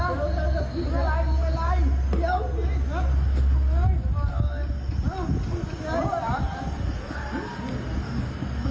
โอ้โหคุณผู้ชม